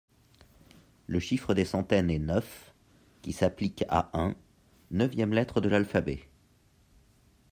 Le chiffre des centaines est neuf, qui s'applique a un, neuvième lettre de l'alphabet.